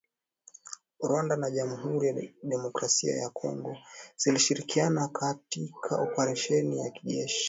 Rwanda na Jamuhuri ya Kidemokrasia ya Kongo zilishirikiana katika oparesheni ya kijeshi